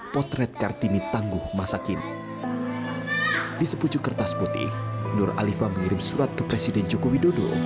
presiden buat presiden jokowi